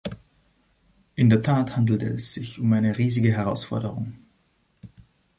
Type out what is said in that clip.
In der Tat handelt es sich um eine riesige Herausforderung.